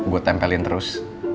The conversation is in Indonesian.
gue tempelin terus